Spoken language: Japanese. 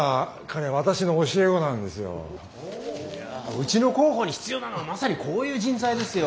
うちの広報に必要なのはまさにこういう人材ですよ。